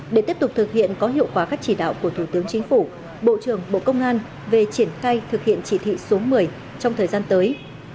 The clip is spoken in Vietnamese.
để tiếp tục thực hiện có hiệu quả các chỉ đạo của thủ tướng chính phủ bộ trưởng bộ công an về triển khai thực hiện chỉ thị số một mươi trong thời gian tới